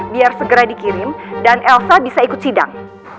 biar segera dikirim dan elsa bisa ikut sidang